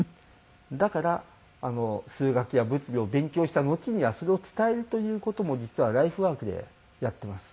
だから数学や物理を勉強したのちにはそれを伝えるという事も実はライフワークでやってます。